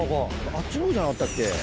あっちの方じゃなかったっけ？